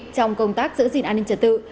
trong công tác giữ gìn an ninh trả tự